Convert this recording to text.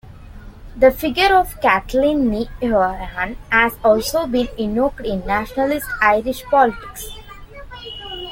The figure of Kathleen Ni Houlihan has also been invoked in nationalist Irish politics.